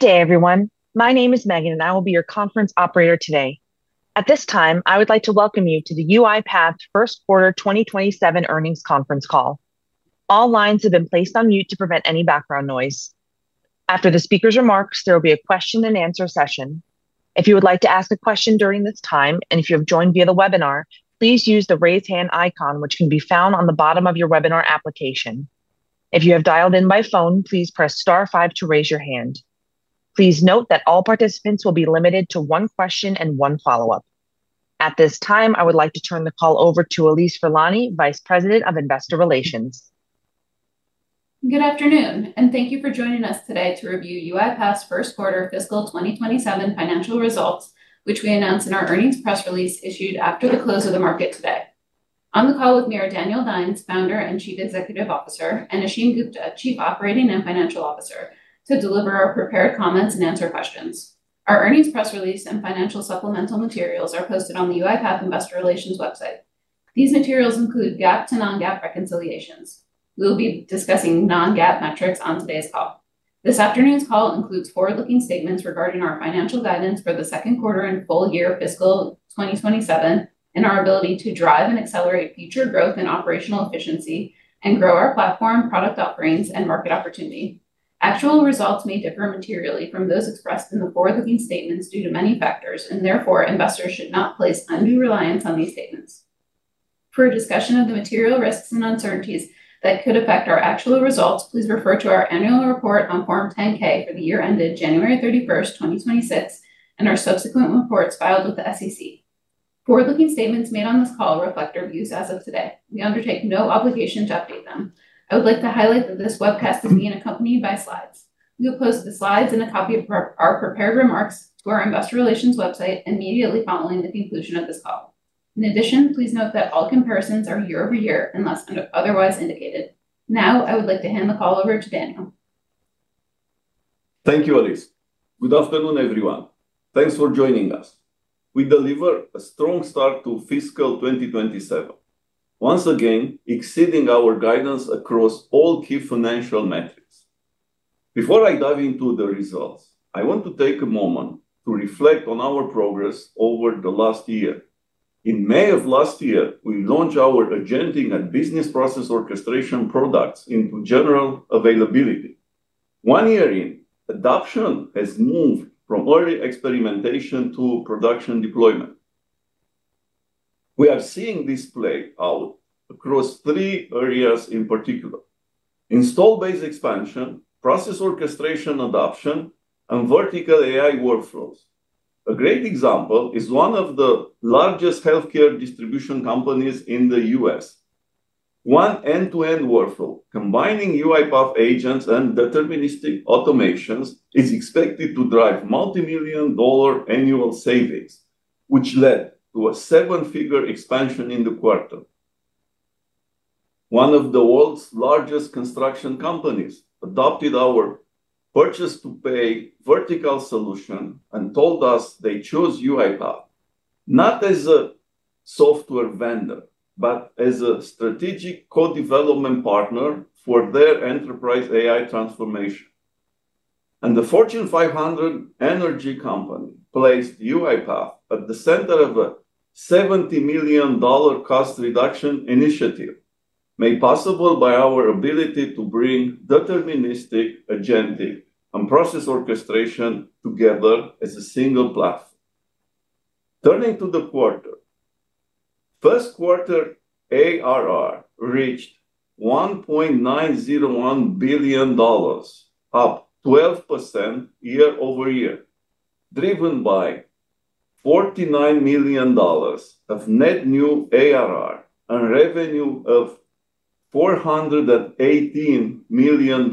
Good day, everyone. My name is Megan, and I will be your conference operator today. At this time, I would like to welcome you to the UiPath first quarter 2027 earnings conference call. All lines have been placed on mute to prevent any background noise. After the speaker's remarks, there will be a question and answer session. If you would like to ask a question during this time, and if you have joined via the webinar, please use the raise hand icon, which can be found on the bottom of your webinar application. If you have dialed in by phone, please press star five to raise your hand. Please note that all participants will be limited to one question and one follow-up. At this time, I would like to turn the call over to Allise Furlani, Vice President of Investor Relations. Good afternoon. Thank you for joining us today to review UiPath's first quarter fiscal 2027 financial results, which we announced in our earnings press release issued after the close of the market today. On the call with me are Daniel Dines, Founder and Chief Executive Officer, and Ashim Gupta, Chief Operating and Financial Officer, to deliver our prepared comments and answer questions. Our earnings press release and financial supplemental materials are posted on the UiPath investor relations website. These materials include GAAP to non-GAAP reconciliations. We'll be discussing non-GAAP metrics on today's call. This afternoon's call includes forward-looking statements regarding our financial guidance for the second quarter and full year fiscal 2027 and our ability to drive and accelerate future growth and operational efficiency and grow our platform, product offerings, and market opportunity. Actual results may differ materially from those expressed in the forward-looking statements due to many factors, and therefore, investors should not place undue reliance on these statements. For a discussion of the material risks and uncertainties that could affect our actual results, please refer to our annual report on Form 10-K for the year ended January 31st, 2026, and our subsequent reports filed with the SEC. Forward-looking statements made on this call reflect our views as of today. We undertake no obligation to update them. I would like to highlight that this webcast is being accompanied by slides. We'll post the slides and a copy of our prepared remarks to our investor relations website immediately following the conclusion of this call. In addition, please note that all comparisons are year-over-year, unless otherwise indicated. Now, I would like to hand the call over to Daniel. Thank you, Allise. Good afternoon, everyone. Thanks for joining us. We deliver a strong start to fiscal 2027, once again exceeding our guidance across all key financial metrics. Before I dive into the results, I want to take a moment to reflect on our progress over the last year. In May of last year, we launched our agenting and business process orchestration products into general availability. One year in, adoption has moved from early experimentation to production deployment. We are seeing this play out across three areas in particular. Install base expansion, process orchestration adoption, and vertical AI workflows. A great example is one of the largest healthcare distribution companies in the U.S. One end-to-end workflow combining UiPath agents and deterministic automations is expected to drive multimillion-dollar annual savings, which led to a seven-figure expansion in the quarter. One of the world's largest construction companies adopted our purchase-to-pay vertical solution and told us they chose UiPath, not as a software vendor, but as a strategic co-development partner for their enterprise AI transformation. The Fortune 500 energy company placed UiPath at the center of a $70 million cost reduction initiative, made possible by our ability to bring deterministic agentic and process orchestration together as a single platform. Turning to the quarter. First quarter ARR reached $1.901 billion, up 12% year-over-year, driven by $49 million of net new ARR and revenue of $418 million,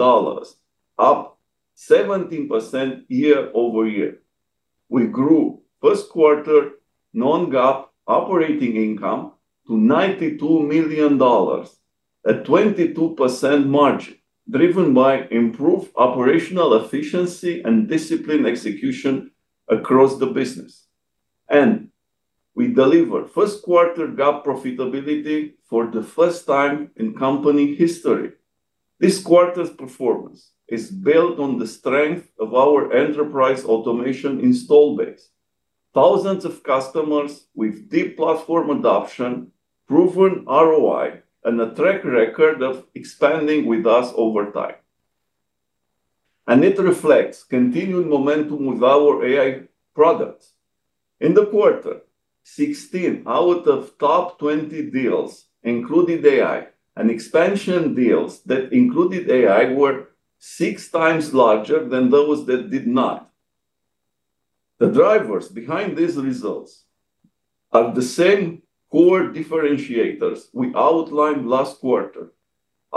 up 17% year-over-year. We grew first quarter non-GAAP operating income to $92 million, a 22% margin driven by improved operational efficiency and disciplined execution across the business. We delivered first quarter GAAP profitability for the first time in company history. This quarter's performance is built on the strength of our enterprise automation install base. Thousands of customers with deep platform adoption, proven ROI, and a track record of expanding with us over time. It reflects continued momentum with our AI products. In the quarter, 16 out of top 20 deals included AI, and expansion deals that included AI were six times larger than those that did not. The drivers behind these results are the same core differentiators we outlined last quarter.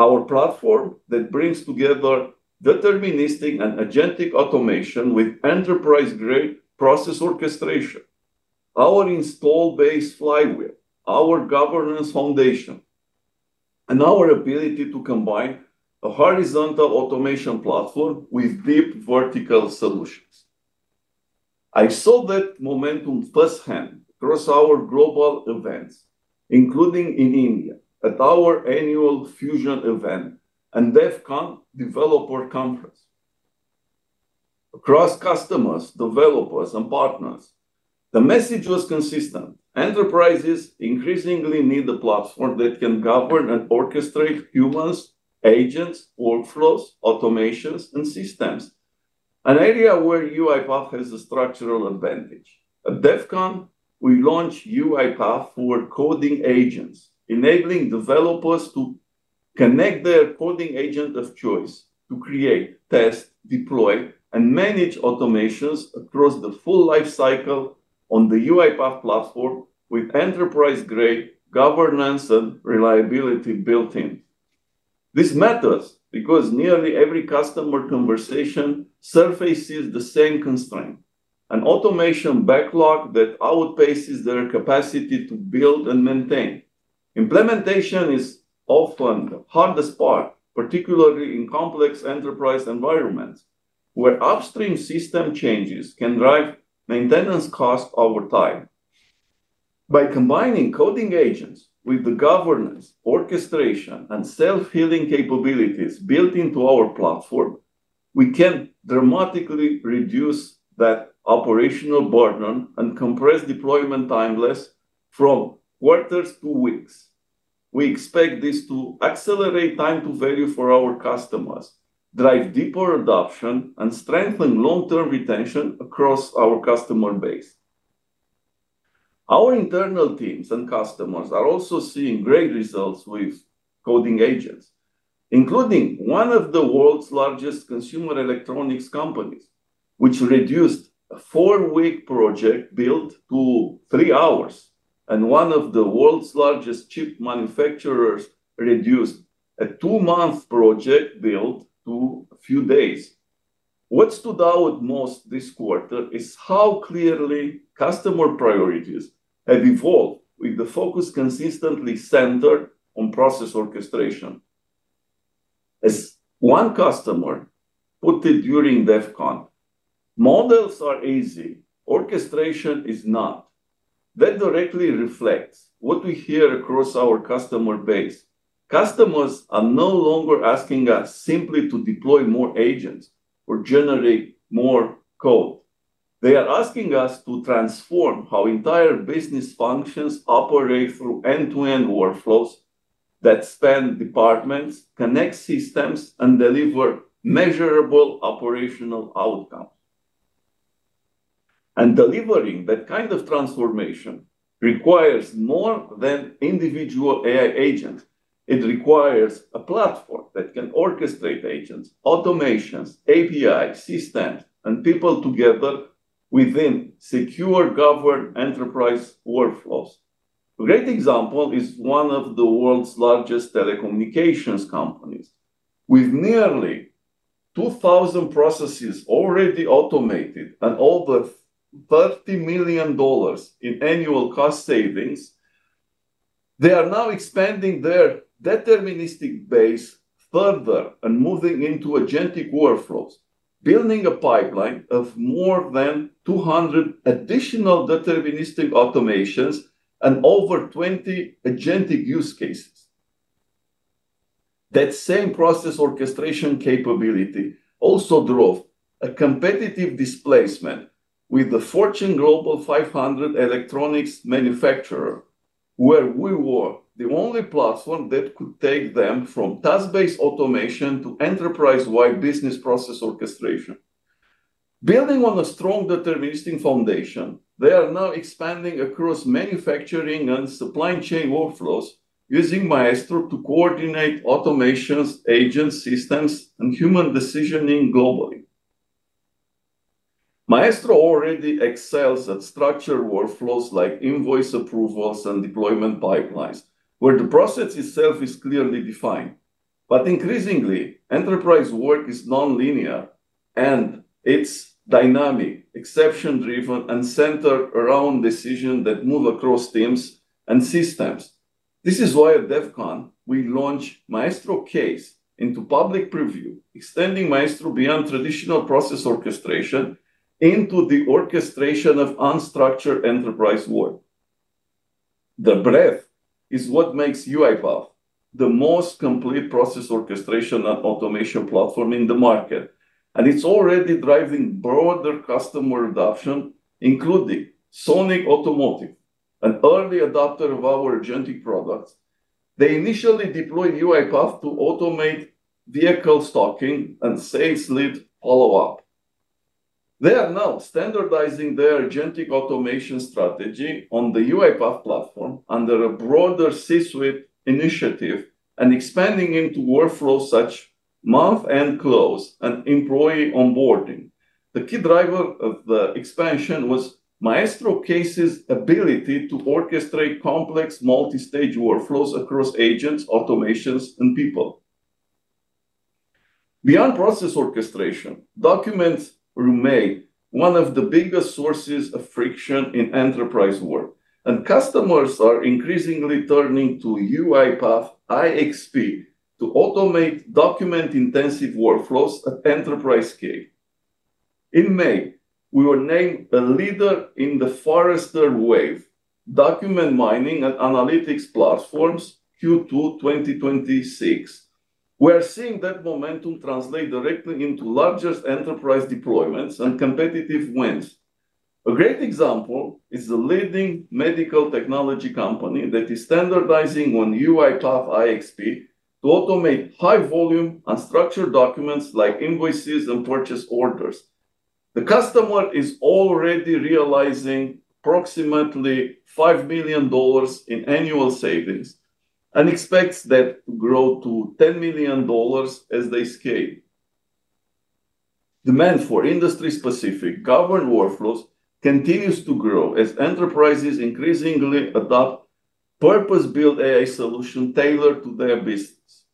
Our platform that brings together deterministic and agentic automation with enterprise-grade process orchestration, our install base flywheel, our governance foundation, and our ability to combine a horizontal automation platform with deep vertical solutions. I saw that momentum firsthand across our global events, including in India at our annual FUSION event and DevCon developer conference. Across customers, developers, and partners, the message was consistent. Enterprises increasingly need a platform that can govern and orchestrate humans, agents, workflows, automations, and systems, an area where UiPath has a structural advantage. At DevCon, we launched UiPath for Coding Agents, enabling developers to connect their coding agent of choice to create, test, deploy, and manage automations across the full lifecycle on the UiPath platform with enterprise-grade governance and reliability built in. This matters because nearly every customer conversation surfaces the same constraint, an automation backlog that outpaces their capacity to build and maintain. Implementation is often the hardest part, particularly in complex enterprise environments where upstream system changes can drive maintenance costs over time. By combining coding agents with the governance, orchestration, and self-healing capabilities built into our platform, we can dramatically reduce that operational burden and compress deployment timelines from quarters to weeks. We expect this to accelerate time to value for our customers, drive deeper adoption, and strengthen long-term retention across our customer base. Our internal teams and customers are also seeing great results with coding agents, including one of the world's largest consumer electronics companies, which reduced a four-week project build to three hours. One of the world's largest chip manufacturers reduced a two-month project build to a few days. What stood out most this quarter is how clearly customer priorities have evolved with the focus consistently centered on process orchestration. As one customer put it during DevCon, "Models are easy. Orchestration is not." That directly reflects what we hear across our customer base. Customers are no longer asking us simply to deploy more agents or generate more code. They are asking us to transform how entire business functions operate through end-to-end workflows that span departments, connect systems, and deliver measurable operational outcomes. Delivering that kind of transformation requires more than individual AI agents. It requires a platform that can orchestrate agents, automations, APIs, systems, and people together within secure governed enterprise workflows. A great example is one of the world's largest telecommunications companies. With nearly 2,000 processes already automated and over $30 million in annual cost savings, they are now expanding their deterministic base further and moving into agentic workflows, building a pipeline of more than 200 additional deterministic automations and over 20 agentic use cases. That same process orchestration capability also drove a competitive displacement with the Fortune Global 500 electronics manufacturer, where we were the only platform that could take them from task-based automation to enterprise-wide business process orchestration. Building on a strong deterministic foundation, they are now expanding across manufacturing and supply chain workflows using Maestro to coordinate automations, agent systems, and human decisioning globally. Maestro already excels at structured workflows like invoice approvals and deployment pipelines where the process itself is clearly defined. But increasingly, enterprise work is nonlinear, and it's dynamic, exception-driven, and centered around decisions that move across teams and systems. This is why at DevCon, we launched Maestro Case into public preview, extending Maestro beyond traditional process orchestration into the orchestration of unstructured enterprise work. The breadth is what makes UiPath the most complete process orchestration and automation platform in the market, and it's already driving broader customer adoption, including Sonic Automotive, an early adopter of our agentic products. They initially deployed UiPath to automate vehicle stocking and sales lead follow-up. They are now standardizing their agentic automation strategy on the UiPath platform under a broader C-suite initiative and expanding into workflows such month-end close and employee onboarding. The key driver of the expansion was Maestro Case's ability to orchestrate complex multi-stage workflows across agents, automations, and people. Beyond process orchestration, documents remain one of the biggest sources of friction in enterprise work, and customers are increasingly turning to UiPath IXP to automate document-intensive workflows at enterprise scale. In May, we were named a leader in the Forrester Wave, document mining and analytics platforms, Q2 2026. We are seeing that momentum translate directly into largest enterprise deployments and competitive wins. A great example is the leading medical technology company that is standardizing on UiPath IXP to automate high volume unstructured documents like invoices and purchase orders. The customer is already realizing approximately $5 million in annual savings and expects that to grow to $10 million as they scale. Demand for industry-specific governed workflows continues to grow as enterprises increasingly adopt purpose-built AI solution tailored to their business.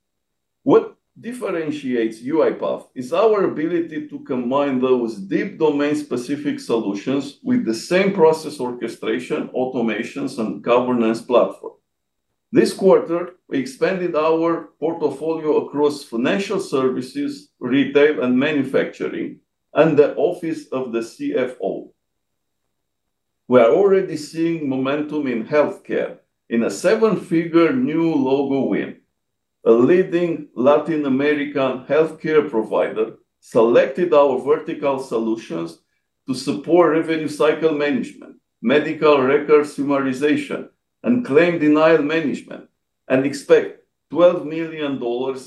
What differentiates UiPath is our ability to combine those deep domain-specific solutions with the same process orchestration, automations, and governance platform. This quarter, we expanded our portfolio across financial services, retail, and manufacturing, and the office of the CFO. We are already seeing momentum in healthcare in a seven-figure new logo win. A leading Latin American healthcare provider selected our vertical solutions to support revenue cycle management, medical record summarization, and claim denial management, and expect $12 million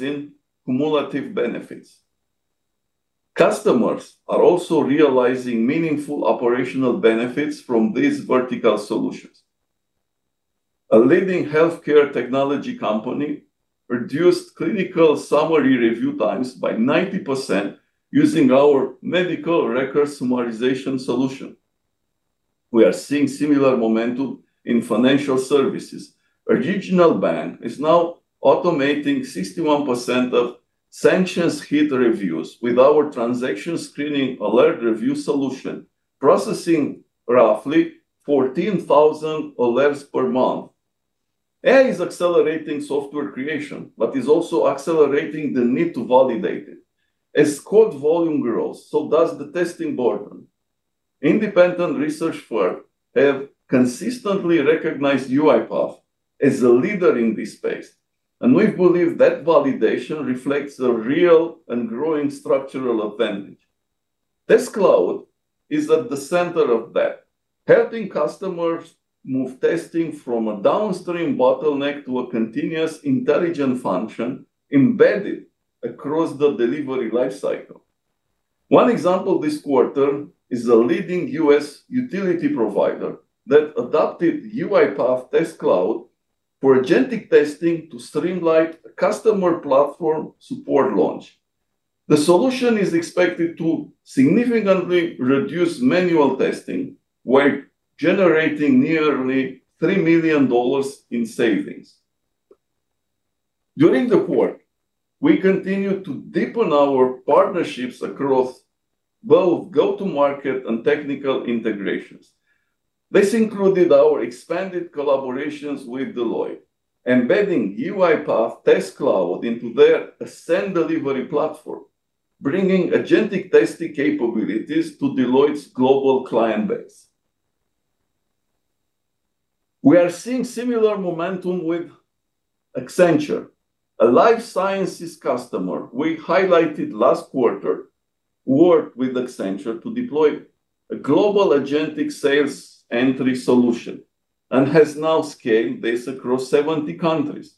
in cumulative benefits. Customers are also realizing meaningful operational benefits from these vertical solutions. A leading healthcare technology company reduced clinical summary review times by 90% using our medical record summarization solution. We are seeing similar momentum in financial services. A regional bank is now automating 61% of sanctions hit reviews with our transaction screening alert review solution, processing roughly 14,000 alerts per month. AI is accelerating software creation but is also accelerating the need to validate it. As code volume grows, so does the testing burden. Independent research firms have consistently recognized UiPath as a leader in this space, and we believe that validation reflects a real and growing structural advantage. Test Cloud is at the center of that, helping customers move testing from a downstream bottleneck to a continuous intelligent function embedded across the delivery life cycle. One example this quarter is a leading U.S. utility provider that adopted UiPath Test Cloud for agentic testing to streamline a customer platform support launch. The solution is expected to significantly reduce manual testing while generating nearly $3 million in savings. During the quarter, we continued to deepen our partnerships across both go-to-market and technical integrations. This included our expanded collaborations with Deloitte, embedding UiPath Test Cloud into their ASCEND delivery platform, bringing agentic testing capabilities to Deloitte's global client base. We are seeing similar momentum with Accenture. A life sciences customer we highlighted last quarter worked with Accenture to deploy a global agentic sales entry solution and has now scaled this across 70 countries.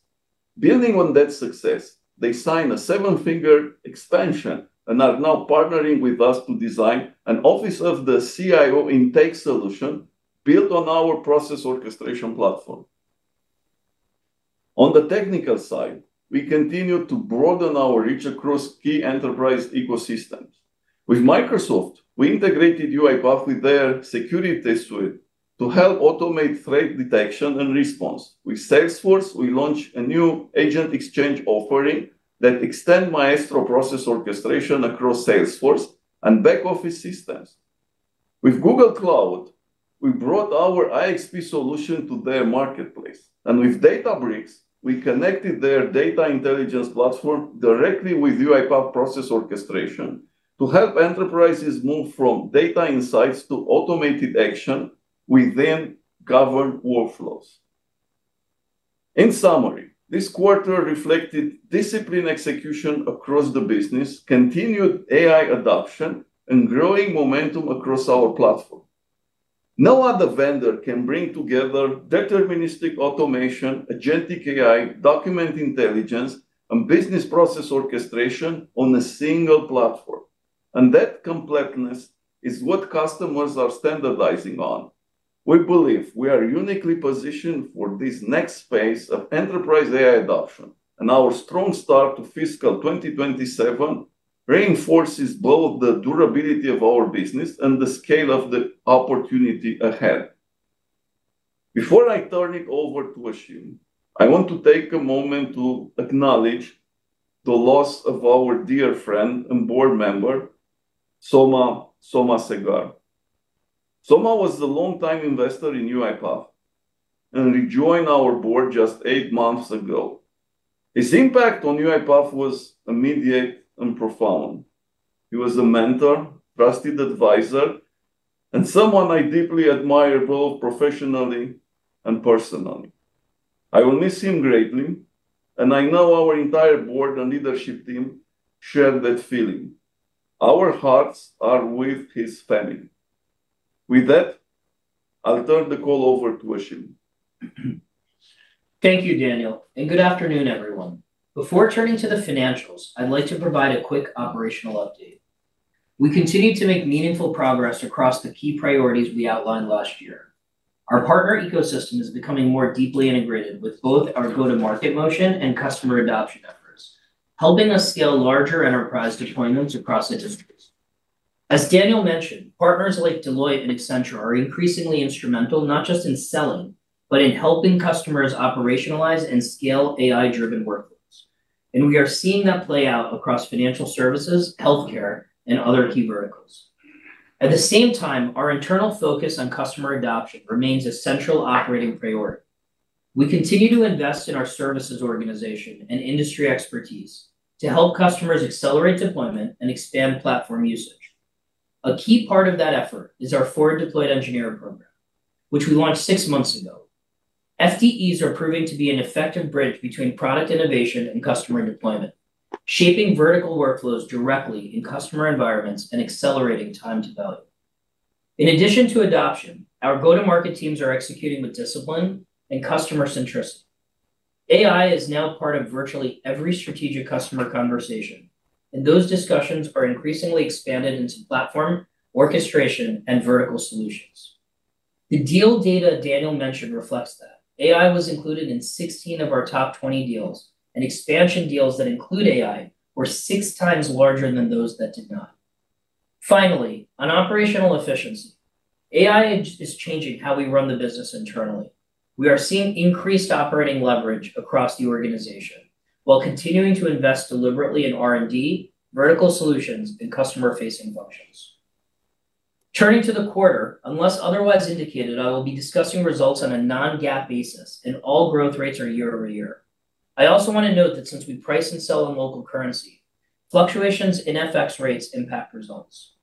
Building on that success, they signed a seven-figure expansion and are now partnering with us to design an office of the CIO intake solution built on our process orchestration platform. On the technical side, we continue to broaden our reach across key enterprise ecosystems. With Microsoft, we integrated UiPath with their security suite to help automate threat detection and response. With Salesforce, we launched a new agent exchange offering that extend Maestro process orchestration across Salesforce and back-office systems. With Google Cloud, we brought our IXP solution to their marketplace, and with Databricks, we connected their data intelligence platform directly with UiPath process orchestration to help enterprises move from data insights to automated action within governed workflows. In summary, this quarter reflected disciplined execution across the business, continued AI adoption, and growing momentum across our platform. No other vendor can bring together deterministic automation, agentic AI, document intelligence, and business process orchestration on a single platform. That completeness is what customers are standardizing on. We believe we are uniquely positioned for this next phase of enterprise AI adoption. Our strong start to fiscal 2027 reinforces both the durability of our business and the scale of the opportunity ahead. Before I turn it over to Ashim, I want to take a moment to acknowledge the loss of our dear friend and board member, Soma Somasegar. Soma was the longtime investor in UiPath and he joined our board just eight months ago. His impact on UiPath was immediate and profound. He was a mentor, trusted advisor, and someone I deeply admire, both professionally and personally. I will miss him greatly, and I know our entire board and leadership team share that feeling. Our hearts are with his family. With that, I'll turn the call over to Ashim. Thank you, Daniel, and good afternoon, everyone. Before turning to the financials, I'd like to provide a quick operational update. We continue to make meaningful progress across the key priorities we outlined last year. Our partner ecosystem is becoming more deeply integrated with both our go-to-market motion and customer adoption efforts, helping us scale larger enterprise deployments across industries. As Daniel mentioned, partners like Deloitte and Accenture are increasingly instrumental, not just in selling, but in helping customers operationalize and scale AI-driven workflows. We are seeing that play out across financial services, healthcare, and other key verticals. At the same time, our internal focus on customer adoption remains a central operating priority. We continue to invest in our services organization and industry expertise to help customers accelerate deployment and expand platform usage. A key part of that effort is our forward deployed engineer program, which we launched six months ago. FDEs are proving to be an effective bridge between product innovation and customer deployment, shaping vertical workflows directly in customer environments and accelerating time to value. In addition to adoption, our go-to-market teams are executing with discipline and customer centrism. AI is now part of virtually every strategic customer conversation, and those discussions are increasingly expanded into platform, orchestration, and vertical solutions. The deal data Daniel mentioned reflects that. AI was included in 16 of our top 20 deals, and expansion deals that include AI were six times larger than those that did not. Finally, on operational efficiency, AI is changing how we run the business internally. We are seeing increased operating leverage across the organization, while continuing to invest deliberately in R&D, vertical solutions, and customer-facing functions. Turning to the quarter, unless otherwise indicated, I will be discussing results on a non-GAAP basis. All growth rates are year-over-year. I also want to note that since we price and sell in local currency, fluctuations in FX rates impact results.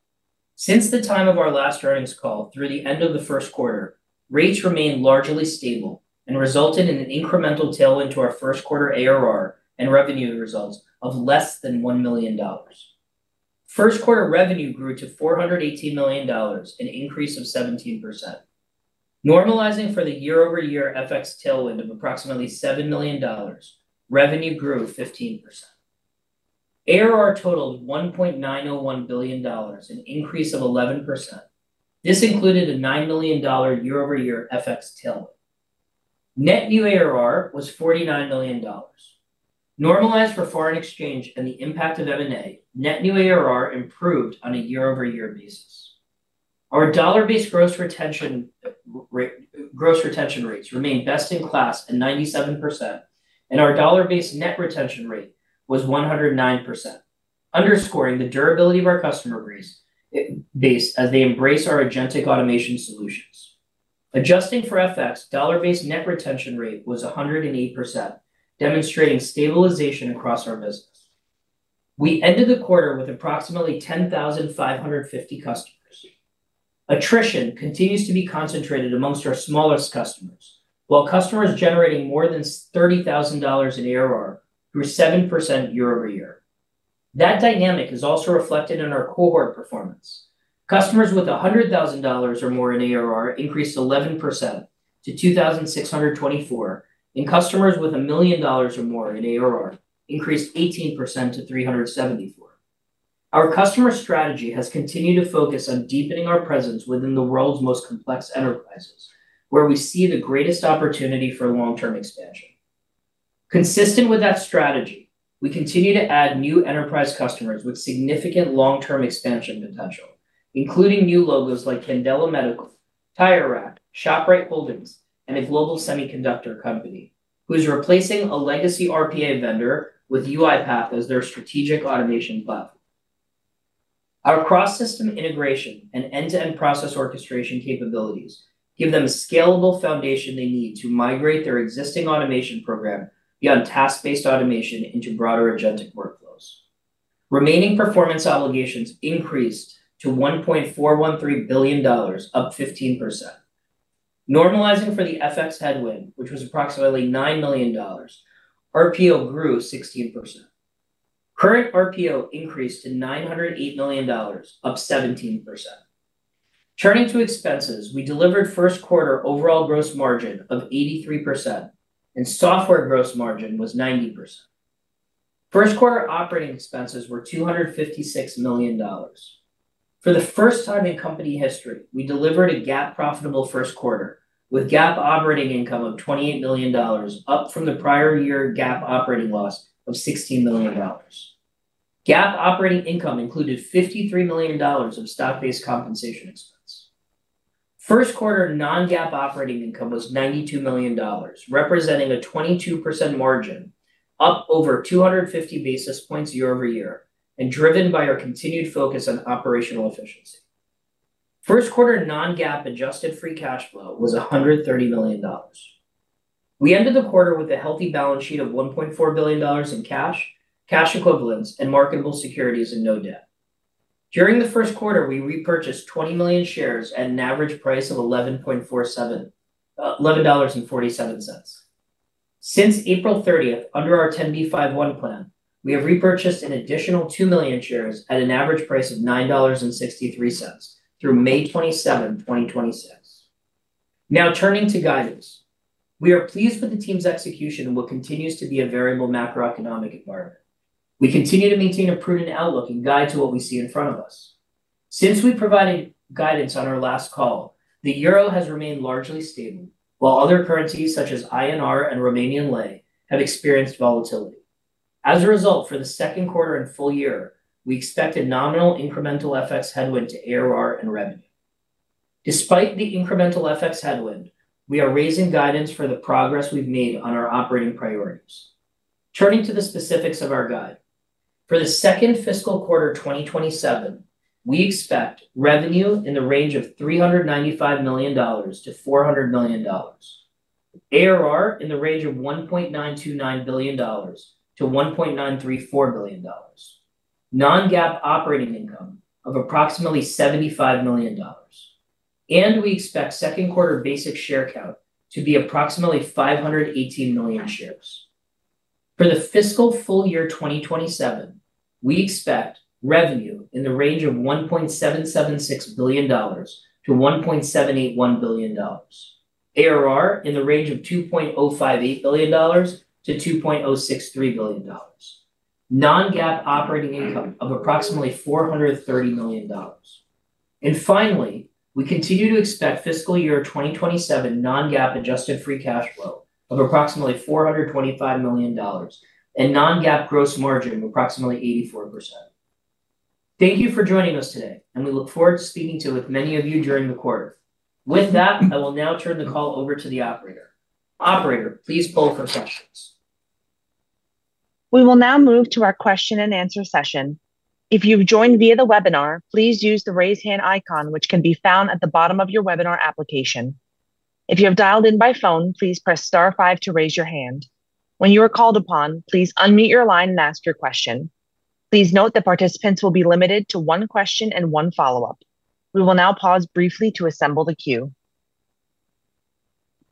Since the time of our last earnings call through the end of the first quarter, rates remained largely stable and resulted in an incremental tail into our first quarter ARR and revenue results of less than $1 million. First quarter revenue grew to $418 million, an increase of 17%. Normalizing for the year-over-year FX tailwind of approximately $7 million, revenue grew 15%. ARR totaled $1.901 billion, an increase of 11%. This included a $9 million year-over-year FX tailwind. Net new ARR was $49 million. Normalized for foreign exchange and the impact of M&A, net new ARR improved on a year-over-year basis. Our dollar-based gross retention rates remain best in class at 97%, and our dollar-based net retention rate was 109%, underscoring the durability of our customer base as they embrace our agentic automation solutions. Adjusting for FX, dollar-based net retention rate was 108%, demonstrating stabilization across our business. We ended the quarter with approximately 10,550 customers. Attrition continues to be concentrated amongst our smallest customers. While customers generating more than $30,000 in ARR grew 7% year-over-year. That dynamic is also reflected in our cohort performance. Customers with $100,000 or more in ARR increased 11% to 2,624, and customers with $1 million or more in ARR increased 18% to 374. Our customer strategy has continued to focus on deepening our presence within the world's most complex enterprises, where we see the greatest opportunity for long-term expansion. Consistent with that strategy, we continue to add new enterprise customers with significant long-term expansion potential, including new logos like Candela Medical, Tire Rack, Shoprite Holdings, and a global semiconductor company who is replacing a legacy RPA vendor with UiPath as their strategic automation platform. Our cross-system integration and end-to-end process orchestration capabilities give them a scalable foundation they need to migrate their existing automation program beyond task-based automation into broader agentic workflows. Remaining performance obligations increased to $1.413 billion, up 15%. Normalizing for the FX headwind, which was approximately $9 million, RPO grew 16%. Current RPO increased to $908 million, up 17%. Turning to expenses, we delivered first quarter overall gross margin of 83%, and software gross margin was 90%. First quarter operating expenses were $256 million. For the first time in company history, we delivered a GAAP profitable first quarter with GAAP operating income of $28 million, up from the prior year GAAP operating loss of $16 million. GAAP operating income included $53 million of stock-based compensation expense. First quarter non-GAAP operating income was $92 million, representing a 22% margin, up over 250 basis points year-over-year and driven by our continued focus on operational efficiency. First quarter non-GAAP adjusted free cash flow was $130 million. We ended the quarter with a healthy balance sheet of $1.4 billion in cash equivalents, and marketable securities and no debt. During the first quarter, we repurchased 20 million shares at an average price of $11.47. Since April 30th, under our 10b5-1 plan, we have repurchased an additional 2 million shares at an average price of $9.63 through May 27, 2026. Now, turning to guidance. We are pleased with the team's execution in what continues to be a variable macroeconomic environment. We continue to maintain a prudent outlook and guide to what we see in front of us. Since we provided guidance on our last call, the euro has remained largely stable, while other currencies such as INR and Romanian leu have experienced volatility. As a result, for the second quarter and full year, we expect a nominal incremental FX headwind to ARR and revenue. Despite the incremental FX headwind, we are raising guidance for the progress we've made on our operating priorities. Turning to the specifics of our guide. For the second fiscal quarter 2027, we expect revenue in the range of $395 million-$400 million, ARR in the range of $1.929 billion-$1.934 billion, non-GAAP operating income of approximately $75 million, and we expect second quarter basic share count to be approximately 518 million shares. For the fiscal full year 2027, we expect revenue in the range of $1.776 billion-$1.781 billion, ARR in the range of $2.058 billion-$2.063 billion, non-GAAP operating income of approximately $430 million. Finally, we continue to expect fiscal year 2027 non-GAAP adjusted free cash flow of approximately $425 million and non-GAAP gross margin of approximately 84%. Thank you for joining us today, and we look forward to speaking with many of you during the quarter. With that, I will now turn the call over to the operator. Operator, please poll for questions. We will now move to our question and answer session. If you've joined via the webinar, please use the raise hand icon, which can be found at the bottom of your webinar application. If you have dialed in by phone, please press star five to raise your hand. When you are called upon, please unmute your line and ask your question. Please note that participants will be limited to one question and one follow-up. We will now pause briefly to assemble the queue.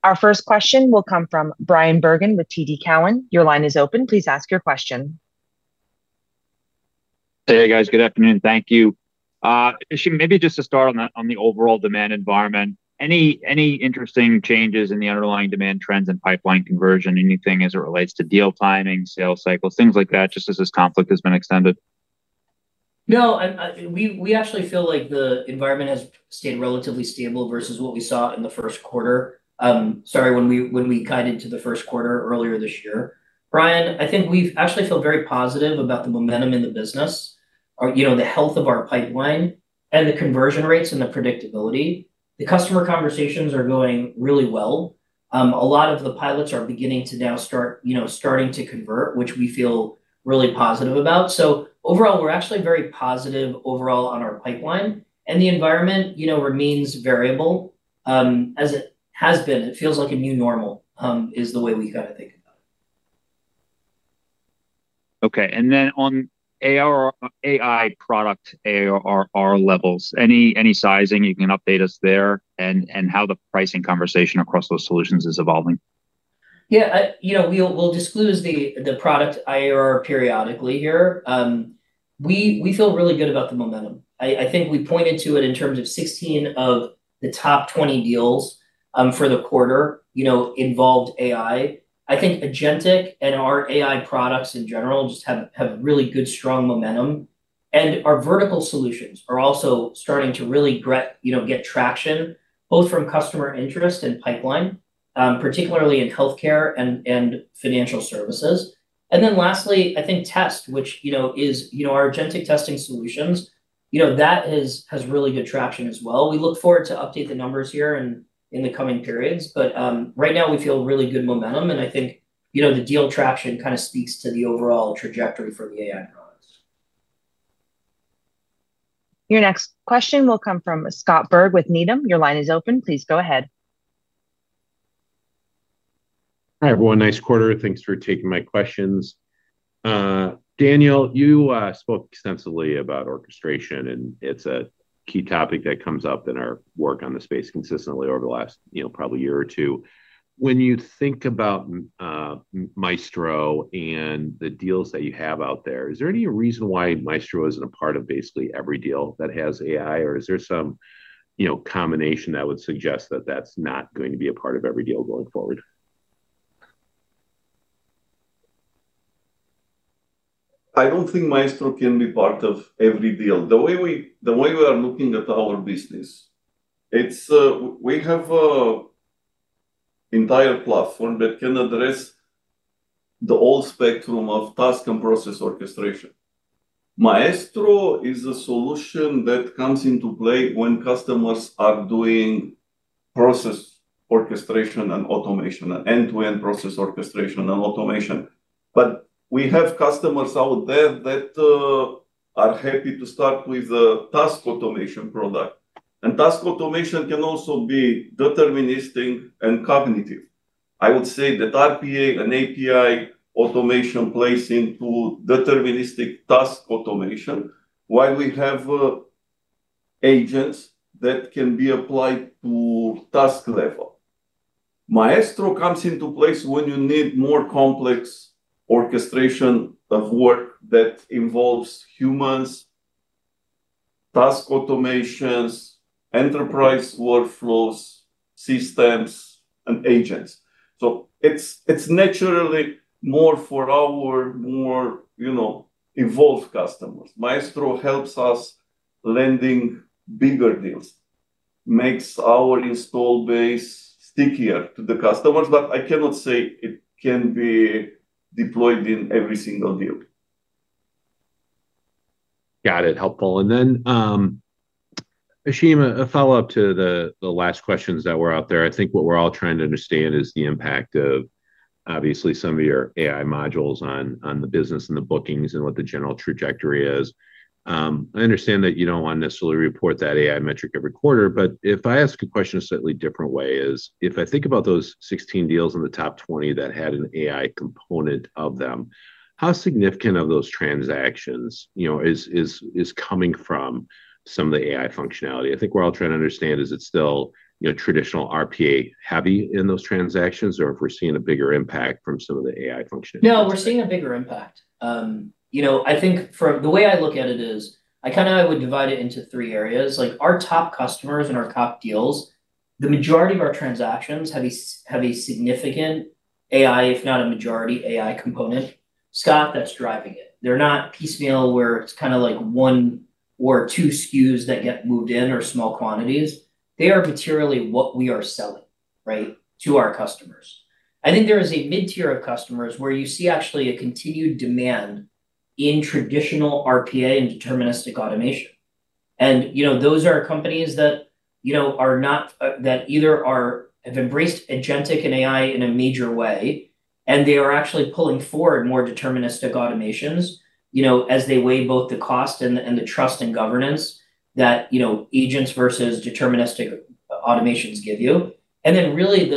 Our first question will come from Bryan Bergin with TD Cowen. Your line is open. Please ask your question. Hey, guys. Good afternoon. Thank you. Ashim, maybe just to start on the overall demand environment, any interesting changes in the underlying demand trends and pipeline conversion? Anything as it relates to deal timing, sales cycles, things like that, just as this conflict has been extended? No, we actually feel like the environment has stayed relatively stable versus what we saw in the first quarter. Sorry, when we guided to the first quarter earlier this year. Bryan, I think we actually feel very positive about the momentum in the business, the health of our pipeline, and the conversion rates and the predictability. The customer conversations are going really well. A lot of the pilots are beginning to now start to convert, which we feel really positive about. Overall, we're actually very positive overall on our pipeline, and the environment remains variable. As it has been. It feels like a new normal, is the way we think about it. Okay. On AI product ARR levels, any sizing you can update us there and how the pricing conversation across those solutions is evolving? We'll disclose the product ARR periodically here. We feel really good about the momentum. I think we pointed to it in terms of 16 of the top 20 deals for the quarter involved AI. I think agentic and our AI products in general just have really good, strong momentum. Our vertical solutions are also starting to really get traction, both from customer interest and pipeline, particularly in healthcare and financial services. Lastly, I think Test, which is our agentic testing solutions. That has really good traction as well. We look forward to update the numbers here in the coming periods. Right now we feel really good momentum, and I think, the deal traction kind of speaks to the overall trajectory for the AI products. Your next question will come from Scott Berg with Needham. Your line is open. Please go ahead. Hi, everyone. Nice quarter. Thanks for taking my questions. Daniel, you spoke extensively about orchestration, and it's a key topic that comes up in our work on the space consistently over the last probably year or two. When you think about Maestro and the deals that you have out there, is there any reason why Maestro isn't a part of basically every deal that has AI? Or is there some combination that would suggest that that's not going to be a part of every deal going forward? I don't think Maestro can be part of every deal. The way we are looking at our business, we have an entire platform that can address the whole spectrum of task and process orchestration. Maestro is a solution that comes into play when customers are doing process orchestration and automation, and end-to-end process orchestration and automation. We have customers out there that are happy to start with a task automation product. Task automation can also be deterministic and cognitive. I would say that RPA and API automation plays into deterministic task automation, while we have agents that can be applied to task level. Maestro comes into place when you need more complex orchestration of work that involves humans, task automations, enterprise workflows, systems, and agents. It's naturally more for our more evolved customers. Maestro helps us landing bigger deals, makes our install base stickier to the customers, but I cannot say it can be deployed in every single deal. Got it. Helpful. Ashim, a follow-up to the last questions that were out there. I think what we're all trying to understand is the impact of, obviously, some of your AI modules on the business and the bookings and what the general trajectory is. I understand that you don't want to necessarily report that AI metric every quarter, if I ask a question a slightly different way is, if I think about those 16 deals in the top 20 that had an AI component of them, how significant of those transactions is coming from some of the AI functionality? I think what we're all trying to understand is it's still traditional RPA heavy in those transactions, or if we're seeing a bigger impact from some of the AI functionality. No, we're seeing a bigger impact. The way I look at it is, I would divide it into three areas. Our top customers and our top deals, the majority of our transactions have a significant AI, if not a majority AI component, Scott, that's driving it. They're not piecemeal where it's one or two SKUs that get moved in or small quantities. They are materially what we are selling to our customers. I think there is a mid-tier of customers where you see actually a continued demand in traditional RPA and deterministic automation. Those are companies that either have embraced agentic and AI in a major way, and they are actually pulling forward more deterministic automations as they weigh both the cost and the trust in governance that agents versus deterministic automations give you. Really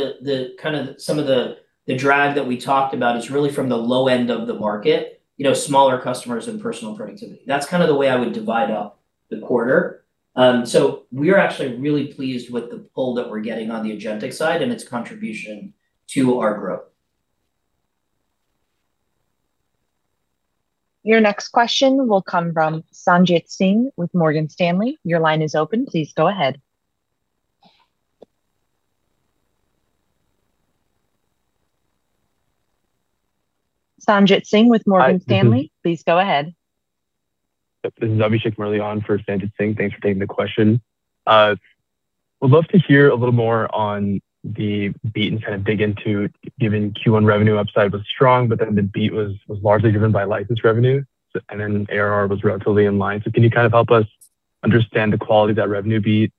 some of the drag that we talked about is really from the low end of the market, you know, smaller customers and personal productivity. That's the way I would divide up the quarter. We are actually really pleased with the pull that we're getting on the agentic side and its contribution to our growth. Your next question will come from Sanjit Singh with Morgan Stanley. Your line is open. Please go ahead. Sanjit Singh with Morgan Stanley. Hi. Please go ahead. This is Abhishek Murli on for Sanjit Singh. Thanks for taking the question. Would love to hear a little more on the beat and kind of dig into, given Q1 revenue upside was strong, but then the beat was largely driven by license revenue, and then ARR was relatively in line. Can you kind of help us understand the quality of that revenue beat?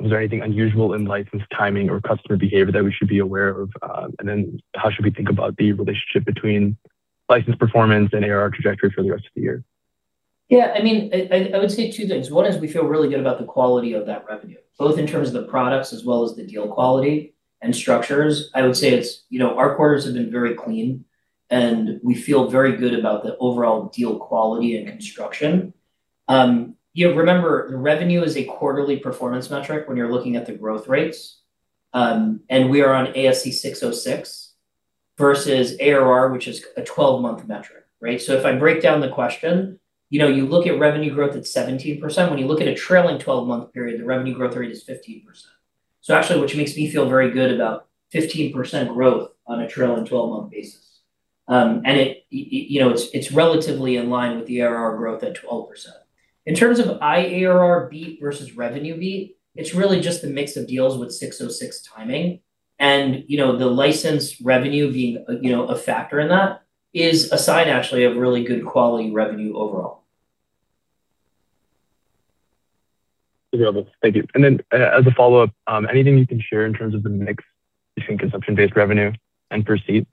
Was there anything unusual in license timing or customer behavior that we should be aware of? How should we think about the relationship between license performance and ARR trajectory for the rest of the year? I would say two things. One is we feel really good about the quality of that revenue, both in terms of the products as well as the deal quality and structures. I would say our quarters have been very clean, and we feel very good about the overall deal quality and construction. Remember, revenue is a quarterly performance metric when you're looking at the growth rates, and we are on ASC 606 versus ARR, which is a 12-month metric, right? If I break down the question, you look at revenue growth at 17%. When you look at a trailing 12-month period, the revenue growth rate is 15%. Actually, which makes me feel very good about 15% growth on a trailing 12-month basis. It's relatively in line with the ARR growth at 12%. In terms of ARR beat versus revenue beat, it's really just the mix of deals with 606 timing, and the license revenue being a factor in that is a sign, actually, of really good quality revenue overall. Very well. Thank you. As a follow-up, anything you can share in terms of the mix between consumption-based revenue and per seat?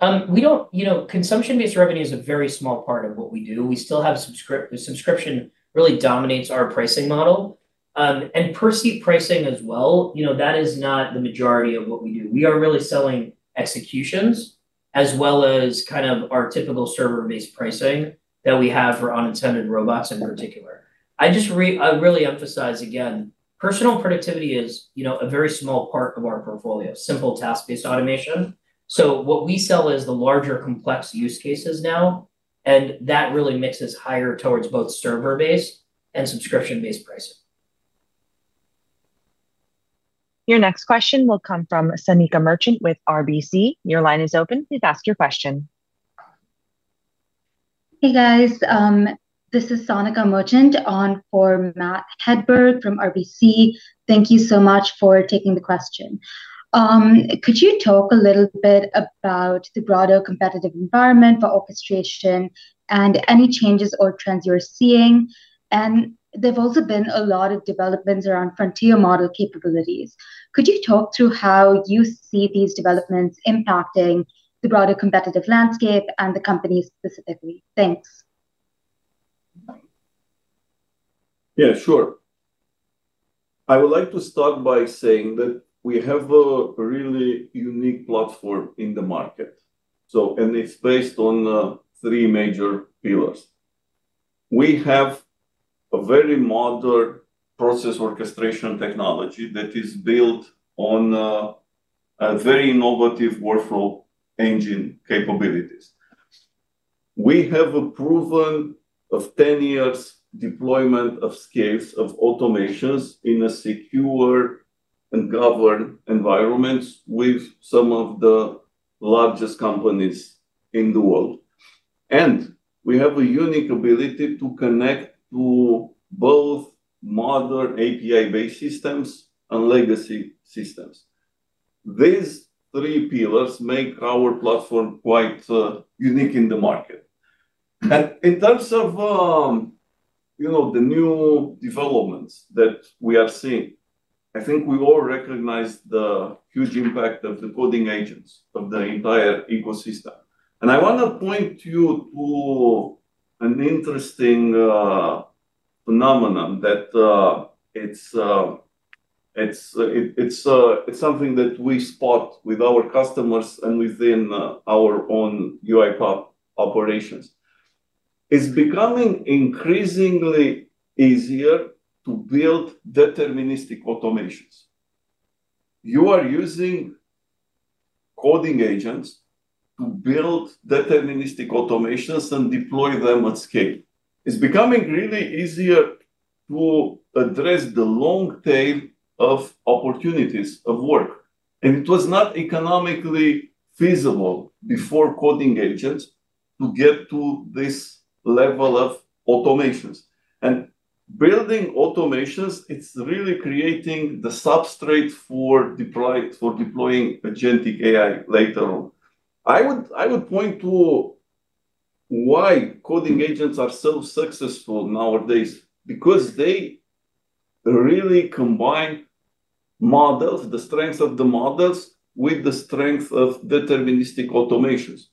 Consumption-based revenue is a very small part of what we do. Subscription really dominates our pricing model. Per seat pricing as well, that is not the majority of what we do. We are really selling executions as well as our typical server-based pricing that we have for unattended robots in particular. I really emphasize again, personal productivity is a very small part of our portfolio, simple task-based automation. What we sell is the larger complex use cases now, and that really mixes higher towards both server-based and subscription-based pricing. Your next question will come from Sanika Merchant with RBC. Your line is open. Please ask your question. Hey, guys. This is Sanika Merchant on for Matt Hedberg from RBC. Thank you so much for taking the question. Could you talk a little bit about the broader competitive environment for orchestration and any changes or trends you're seeing? There've also been a lot of developments around frontier model capabilities. Could you talk through how you see these developments impacting the broader competitive landscape and the company specifically? Thanks. Yeah, sure. I would like to start by saying that we have a really unique platform in the market. It's based on three major pillars. We have a very modern process orchestration technology that is built on very innovative workflow engine capabilities. We have a proven of 10 years deployment of scales of automations in a secure and governed environments with some of the largest companies in the world. We have a unique ability to connect to both modern API-based systems and legacy systems. These three pillars make our platform quite unique in the market. In terms of the new developments that we are seeing, I think we all recognize the huge impact of the coding agents of the entire ecosystem. I want to point you to an interesting phenomenon that it's something that we spot with our customers and within our own UiPath operations. It's becoming increasingly easier to build deterministic automations. You are using coding agents to build deterministic automations and deploy them at scale. It's becoming really easier to address the long tail of opportunities of work. It was not economically feasible before coding agents to get to this level of automations. Building automations, it's really creating the substrate for deploying agentic AI later on. I would point to why coding agents are so successful nowadays, because they really combine models, the strength of the models with the strength of deterministic automations.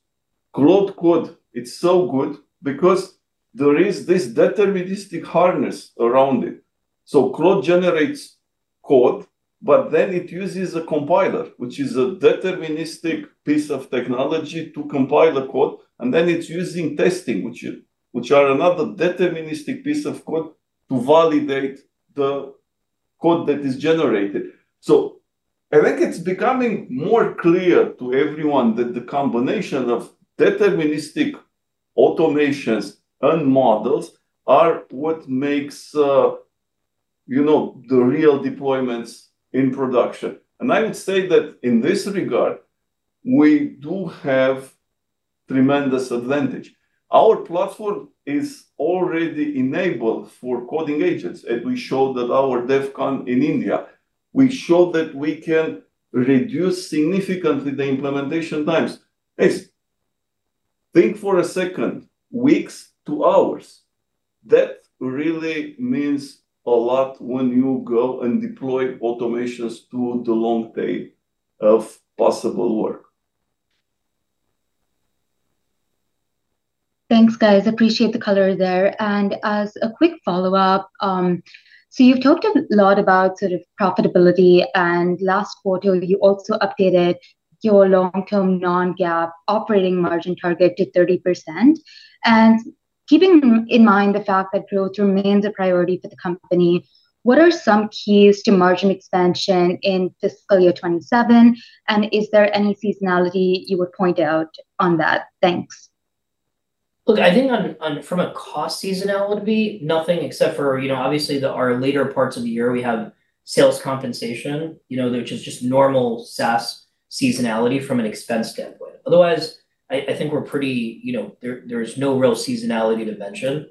Claude Code, it's so good because there is this deterministic hardness around it. Claude generates code, but then it uses a compiler, which is a deterministic piece of technology to compile the code, and then it's using testing, which are another deterministic piece of code to validate the code that is generated. I think it's becoming more clear to everyone that the combination of deterministic automations and models are what makes the real deployments in production. I would say that in this regard, we do have tremendous advantage. Our platform is already enabled for coding agents, as we showed at our DevCon in India. We showed that we can reduce significantly the implementation times. Guys, think for a second, weeks to hours. That really means a lot when you go and deploy automations to the long tail of possible work. Thanks, guys. Appreciate the color there. As a quick follow-up, so you've talked a lot about sort of profitability, and last quarter, you also updated your long-term non-GAAP operating margin target to 30%. Keeping in mind the fact that growth remains a priority for the company, what are some keys to margin expansion in fiscal year 2027? Is there any seasonality you would point out on that? Thanks. I think from a cost seasonality, nothing except for obviously our later parts of the year, we have sales compensation which is just normal SaaS seasonality from an expense standpoint. Otherwise, I think there's no real seasonality to mention.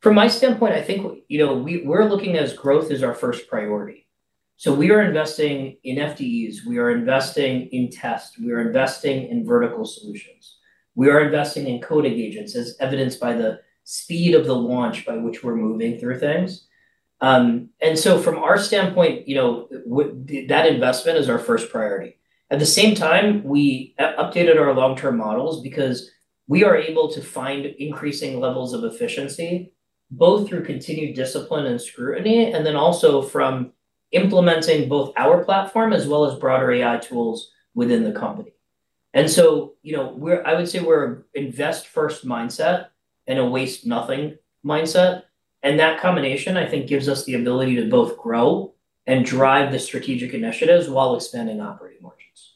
From my standpoint, I think we're looking as growth as our first priority. We are investing in FDEs, we are investing in test, we are investing in vertical solutions. We are investing in coding agents, as evidenced by the speed of the launch by which we're moving through things. From our standpoint, that investment is our first priority. At the same time, we updated our long-term models because we are able to find increasing levels of efficiency, both through continued discipline and scrutiny, and then also from implementing both our platform as well as broader AI tools within the company. I would say we're invest first mindset and a waste nothing mindset. That combination, I think, gives us the ability to both grow and drive the strategic initiatives while expanding operating margins.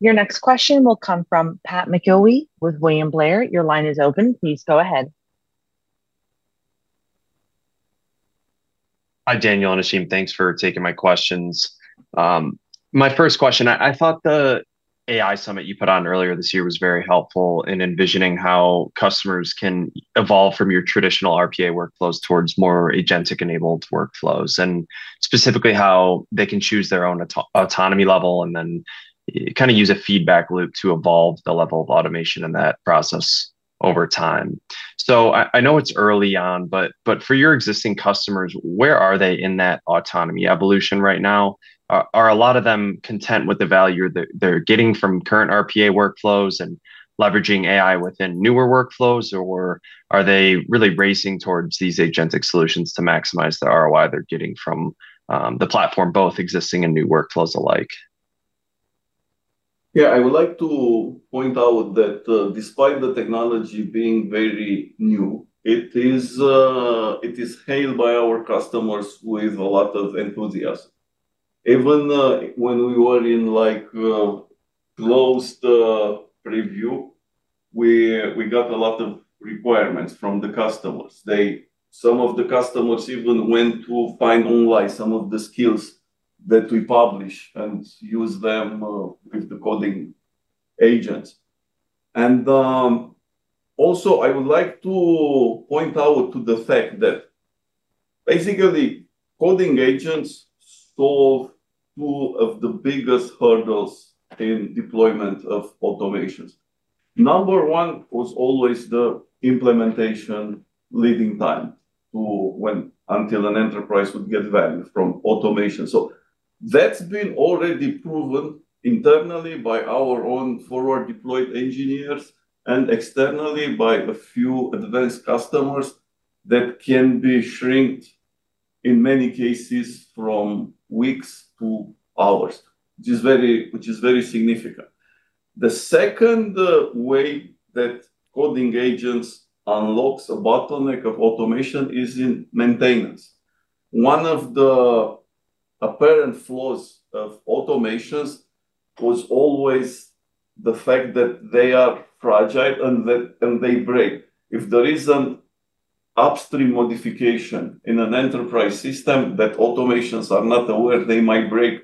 Your next question will come from Pat McIlwee with William Blair. Your line is open. Please go ahead. Hi, Daniel and Ashim. Thanks for taking my questions. My first question, I thought the AI summit you put on earlier this year was very helpful in envisioning how customers can evolve from your traditional RPA workflows towards more agentic-enabled workflows, and specifically how they can choose their own autonomy level and then use a feedback loop to evolve the level of automation in that process over time. I know it's early on, but for your existing customers, where are they in that autonomy evolution right now? Are a lot of them content with the value that they're getting from current RPA workflows and leveraging AI within newer workflows, or are they really racing towards these agentic solutions to maximize the ROI they're getting from the platform, both existing and new workflows alike? Yeah, I would like to point out that despite the technology being very new, it is hailed by our customers with a lot of enthusiasm. Even when we were in closed preview, we got a lot of requirements from the customers. Some of the customers even went to find only some of the skills that we publish and use them with the coding agents. Also, I would like to point out to the fact that basically, coding agents solve two of the biggest hurdles in deployment of automations. Number one was always the implementation leading time to when until an enterprise would get value from automation. That's been already proven internally by our own forward deployed engineers and externally by a few advanced customers that can be shrunk, in many cases, from weeks to hours, which is very significant. The second way that coding agents unlocks a bottleneck of automation is in maintenance. One of the apparent flaws of automations was always the fact that they are fragile and they break. If there is an upstream modification in an enterprise system that automations are not aware, they might break,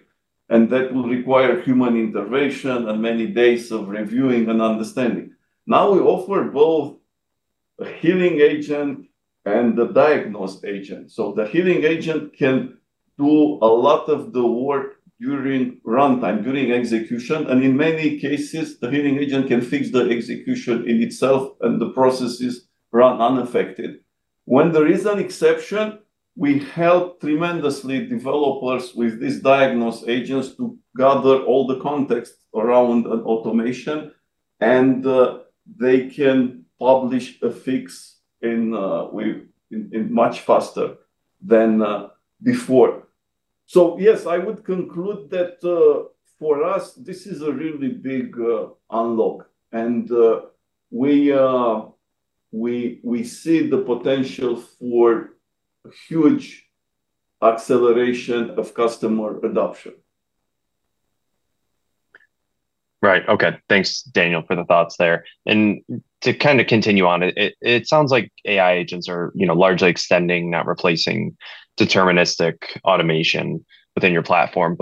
and that will require human intervention and many days of reviewing and understanding. Now we offer both a healing agent and a diagnose agent. The healing agent can do a lot of the work during runtime, during execution, and in many cases, the healing agent can fix the execution in itself, and the processes run unaffected. When there is an exception, we help tremendously developers with these diagnose agents to gather all the context around an automation, and they can publish a fix in much faster than before. Yes, I would conclude that for us, this is a really big unlock, and we see the potential for huge acceleration of customer adoption. Right. Okay. Thanks, Daniel, for the thoughts there. To continue on, it sounds like AI agents are largely extending, not replacing deterministic automation within your platform.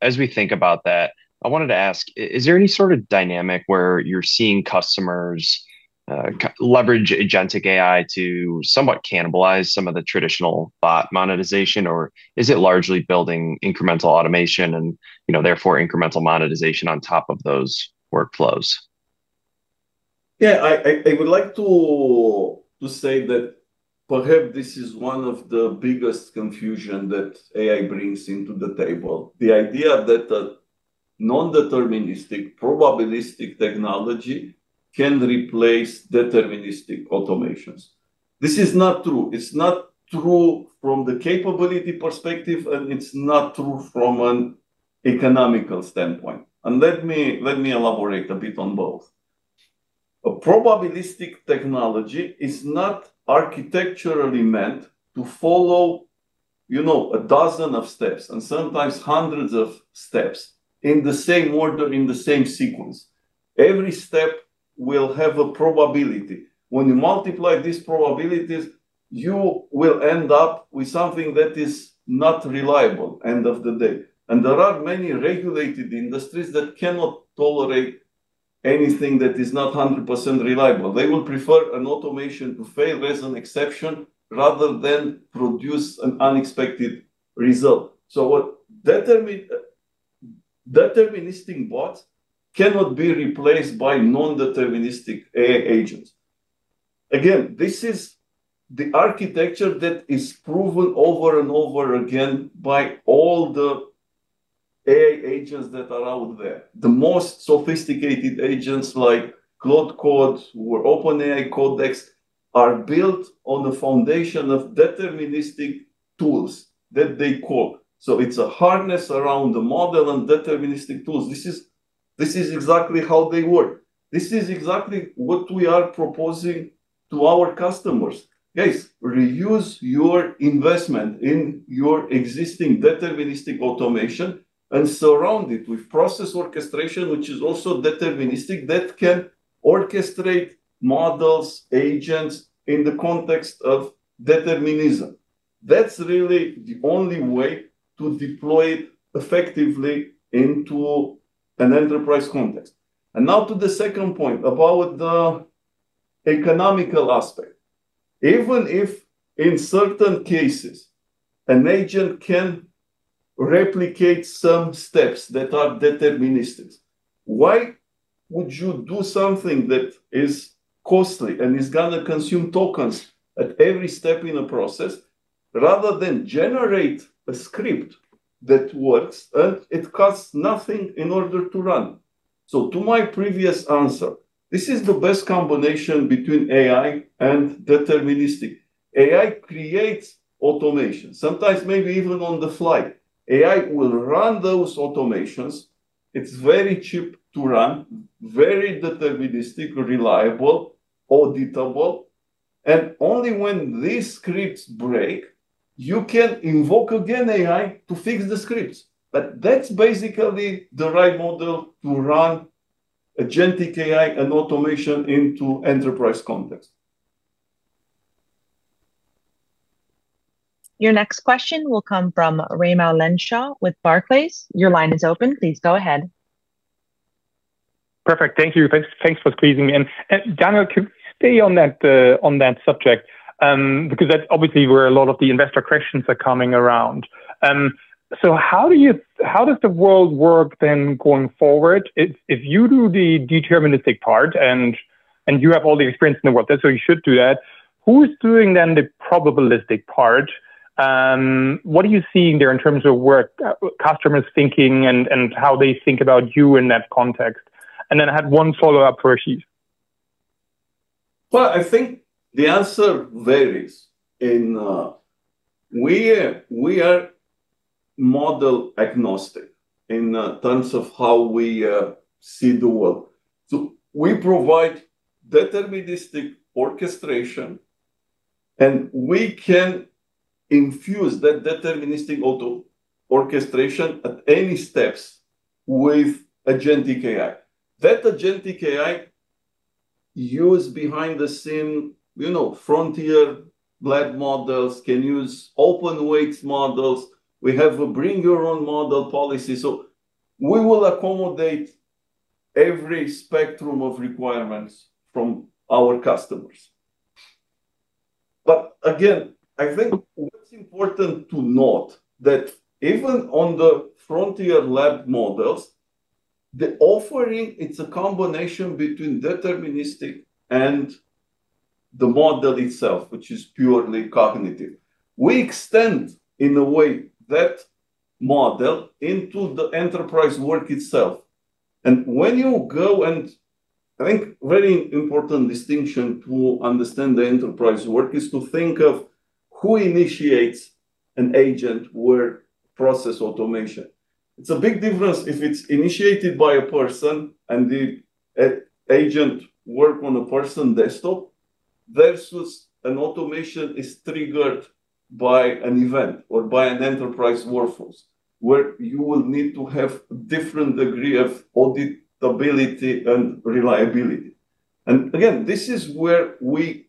As we think about that, I wanted to ask, is there any sort of dynamic where you're seeing customers leverage agentic AI to somewhat cannibalize some of the traditional bot monetization, or is it largely building incremental automation and therefore incremental monetization on top of those workflows? Yeah. I would like to say that perhaps this is one of the biggest confusion that AI brings into the table. The idea that a non-deterministic, probabilistic technology can replace deterministic automations. This is not true. It's not true from the capability perspective, and it's not true from an economical standpoint. Let me elaborate a bit on both. A probabilistic technology is not architecturally meant to follow a dozen of steps and sometimes hundreds of steps in the same order, in the same sequence. Every step will have a probability. When you multiply these probabilities, you will end up with something that is not reliable, end of the day. There are many regulated industries that cannot tolerate anything that is not 100% reliable. They will prefer an automation to fail as an exception rather than produce an unexpected result. Deterministic bots cannot be replaced by non-deterministic AI agents. Again, this is the architecture that is proven over and over again by all the AI agents that are out there. The most sophisticated agents like Claude Code or OpenAI Codex are built on the foundation of deterministic tools that they code. It's a harness around the model and deterministic tools. This is exactly how they work. This is exactly what we are proposing to our customers. Guys, reuse your investment in your existing deterministic automation and surround it with process orchestration, which is also deterministic, that can orchestrate models, agents in the context of determinism. That's really the only way to deploy it effectively into an enterprise context. Now to the second point about the economical aspect. Even if in certain cases an agent can replicate some steps that are deterministic, why would you do something that is costly and is going to consume tokens at every step in a process rather than generate a script that works and it costs nothing in order to run? To my previous answer, this is the best combination between AI and deterministic. AI creates automation. Sometimes maybe even on the fly. AI will run those automations. It's very cheap to run, very deterministic, reliable, auditable, and only when these scripts break, you can invoke again AI to fix the scripts. That's basically the right model to run agentic AI and automation into enterprise context. Your next question will come from Raimo Lenschow with Barclays. Your line is open. Please go ahead. Perfect. Thank you. Thanks for squeezing me in. Daniel, could we stay on that subject? Because that's obviously where a lot of the investor questions are coming around. How does the world work then going forward? If you do the deterministic part and you have all the experience in the world, so you should do that, who is doing then the probabilistic part? What are you seeing there in terms of where customers thinking and how they think about you in that context? Then I had one follow-up for Ashim. Well, I think the answer varies. We are model agnostic in terms of how we see the world. We provide deterministic orchestration, and we can infuse that deterministic auto orchestration at any steps with agentic AI. That agentic AI use behind the scenes, frontier large models, can use open weights models. We have a bring your own model policy. We will accommodate every spectrum of requirements from our customers. Again, I think what's important to note that even on the frontier lab models, the offering, it's a combination between deterministic and the model itself, which is purely cognitive. We extend, in a way, that model into the enterprise work itself. When you go and, I think very important distinction to understand the enterprise work is to think of who initiates an agent for process automation. It's a big difference if it's initiated by a person and the agent work on a person desktop versus an automation is triggered by an event or by an enterprise workforce, where you will need to have different degree of auditability and reliability. Again, this is where we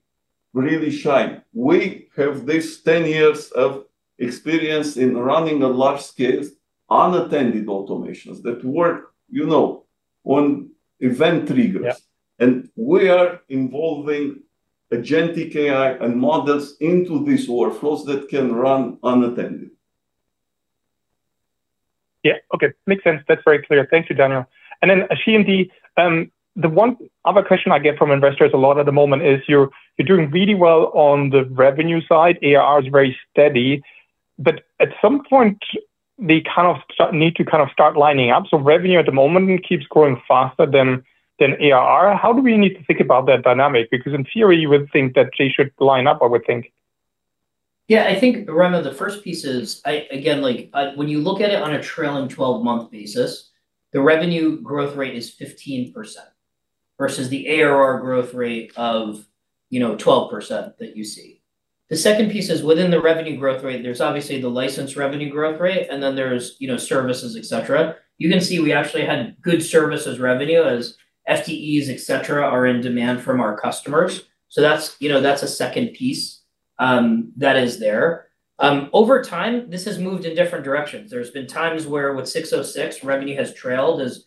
really shine. We have this 10 years of experience in running a large scale unattended automations that work on event triggers. Yeah. We are involving agentic AI and models into these workflows that can run unattended. Yeah. Okay. Makes sense. That's very clear. Thank you, Daniel. Ashim, the one other question I get from investors a lot at the moment is you're doing really well on the revenue side, ARR is very steady, but at some point, they kind of need to start lining up. Revenue at the moment keeps growing faster than ARR. How do we need to think about that dynamic? Because in theory, you would think that they should line up, I would think. Yeah. I think, Raimo, the first piece is, again, when you look at it on a trailing 12-month basis, the revenue growth rate is 15% versus the ARR growth rate of 12% that you see. The second piece is within the revenue growth rate, there's obviously the license revenue growth rate, then there's services, et cetera. You can see we actually had good services revenue as FTEs, et cetera, are in demand from our customers. That's a second piece that is there. Over time, this has moved in different directions. There's been times where with 606 revenue has trailed as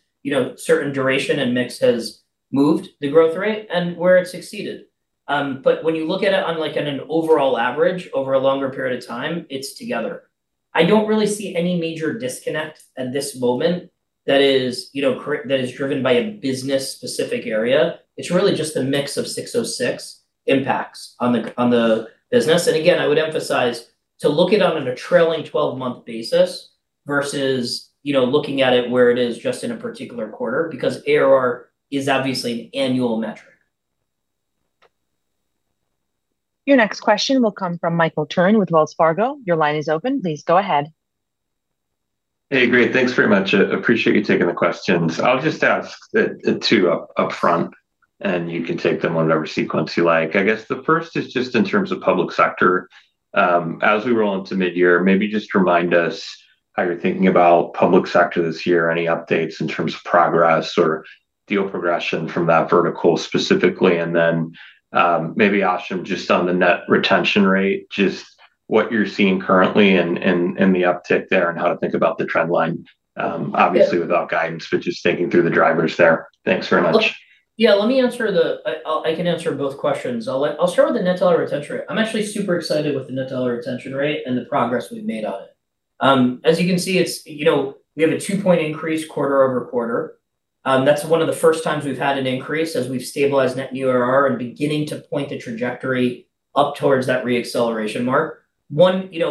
certain duration and mix has moved the growth rate and where it succeeded. When you look at it on an overall average over a longer period of time, it's together. I don't really see any major disconnect at this moment that is driven by a business-specific area. It's really just a mix of 606 impacts on the business. Again, I would emphasize to look it on a trailing 12-month basis versus looking at it where it is just in a particular quarter, because ARR is obviously an annual metric. Your next question will come from Michael Turrin with Wells Fargo. Your line is open. Please go ahead. Hey, great. Thanks very much. I appreciate you taking the questions. I'll just ask two up front, and you can take them whatever sequence you like. I guess the first is just in terms of public sector. As we roll into mid-year, maybe just remind us how you're thinking about public sector this year, any updates in terms of progress or deal progression from that vertical specifically? Maybe Ashim, just on the net retention rate, just what you're seeing currently and the uptick there and how to think about the trend line. Obviously, without guidance, just thinking through the drivers there. Thanks very much. I can answer both questions. I'll start with the net dollar retention rate. I'm actually super excited with the net dollar retention rate and the progress we've made on it. As you can see, we have a two-point increase quarter-over-quarter. That's one of the first times we've had an increase as we've stabilized net new ARR and beginning to point the trajectory up towards that re-acceleration mark. When you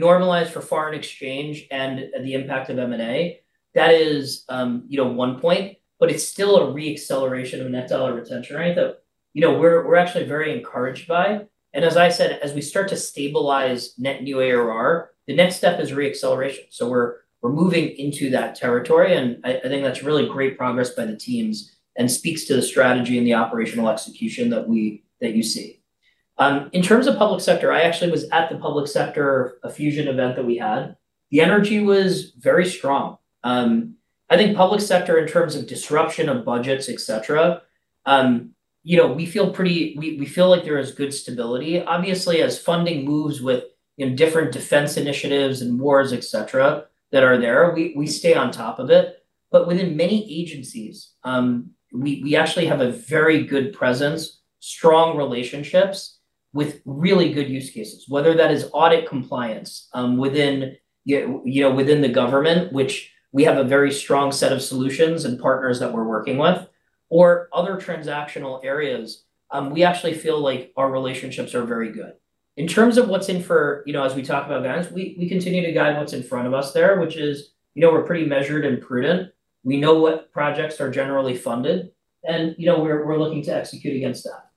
normalize for foreign exchange and the impact of M&A, that is one point, but it's still a re-acceleration of net dollar retention rate that we're actually very encouraged by. As I said, as we start to stabilize net new ARR, the next step is re-acceleration. We're moving into that territory, and I think that's really great progress by the teams and speaks to the strategy and the operational execution that you see. In terms of public sector, I actually was at the public sector, a FUSION event that we had. The energy was very strong. I think public sector in terms of disruption of budgets, et cetera, we feel like there is good stability. Obviously, as funding moves with different defense initiatives and wars, et cetera, that are there, we stay on top of it. Within many agencies, we actually have a very good presence, strong relationships with really good use cases. Whether that is audit compliance within the government, which we have a very strong set of solutions and partners that we're working with, or other transactional areas. We actually feel like our relationships are very good. In terms of what's in for, as we talk about guidance, we continue to guide what's in front of us there, which is we're pretty measured and prudent. We know what projects are generally funded, and we're looking to execute against that.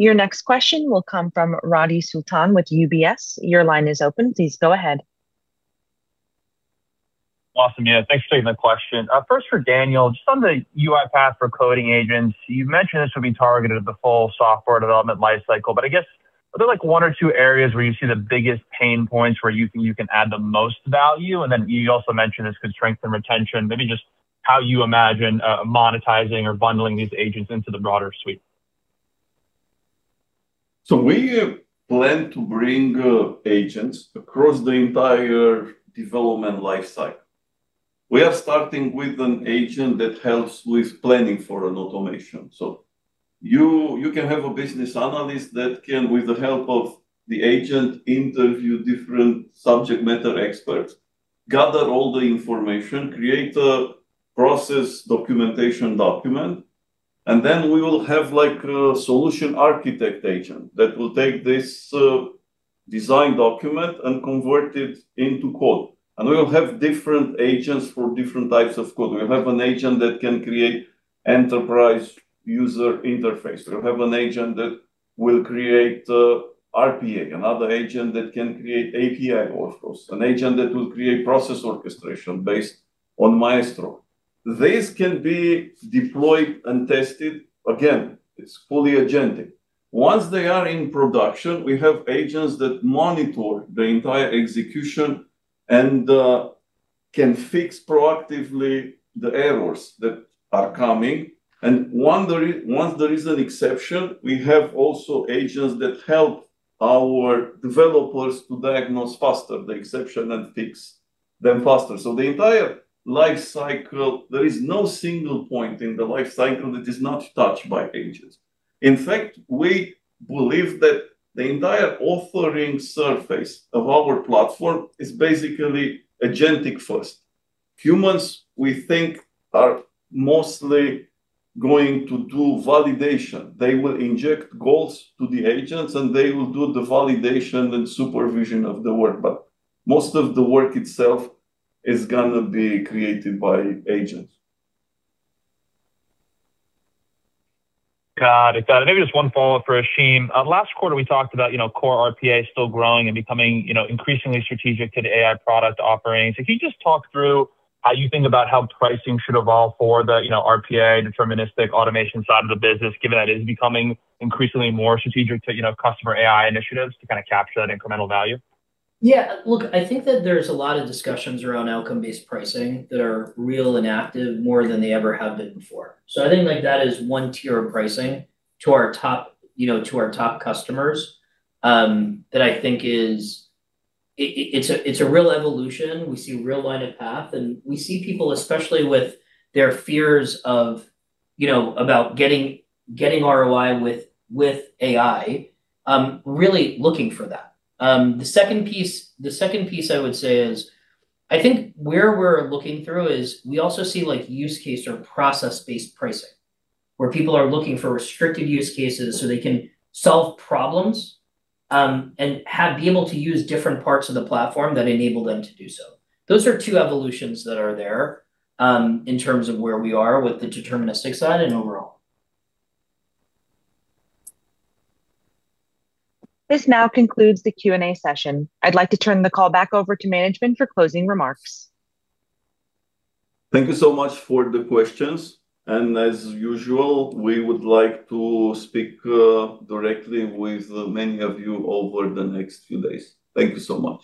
Your next question will come from Radi Sultan with UBS. Your line is open. Please go ahead. Awesome. Thanks for taking the question. First for Daniel, just on the UiPath for Coding Agents, you mentioned this would be targeted at the full software development life cycle, but I guess, are there one or two areas where you see the biggest pain points where you think you can add the most value? You also mentioned this could strengthen retention. Maybe just how you imagine monetizing or bundling these agents into the broader suite. We plan to bring agents across the entire development life cycle. We are starting with an agent that helps with planning for an automation. You can have a business analyst that can, with the help of the agent, interview different subject matter experts, gather all the information, create a process documentation document, and then we will have a solution architect agent that will take this design document and convert it into code. We will have different agents for different types of code. We have an agent that can create enterprise user interface. We have an agent that will create RPA. Another agent that can create API workflows. An agent that will create process orchestration based on Maestro. These can be deployed and tested. Again, it's fully agentic. Once they are in production, we have agents that monitor the entire execution and can fix proactively the errors that are coming. Once there is an exception, we have also agents that help our developers to diagnose faster the exception and fix them faster. The entire life cycle, there is no single point in the life cycle that is not touched by agents. In fact, we believe that the entire authoring surface of our platform is basically agentic first. Humans, we think, are mostly going to do validation. They will inject goals to the agents, and they will do the validation and supervision of the work, but most of the work itself is going to be created by agents. Got it. Got it. Maybe just one follow-up for Ashim. Last quarter, we talked about core RPA still growing and becoming increasingly strategic to the AI product offerings. Can you just talk through how you think about how pricing should evolve for the RPA deterministic automation side of the business, given that it is becoming increasingly more strategic to customer AI initiatives to kind of capture that incremental value? Yeah, look, I think that there's a lot of discussions around outcome-based pricing that are real and active more than they ever have been before. I think that is one tier of pricing to our top customers, that I think it's a real evolution. We see real line of path, and we see people, especially with their fears about getting ROI with AI, really looking for that. The second piece, I would say, is I think where we're looking through is we also see use case or process-based pricing, where people are looking for restricted use cases so they can solve problems, and be able to use different parts of the platform that enable them to do so. Those are two evolutions that are there, in terms of where we are with the deterministic side and overall. This now concludes the Q&A session. I'd like to turn the call back over to management for closing remarks. Thank you so much for the questions. As usual, we would like to speak directly with many of you over the next few days. Thank you so much.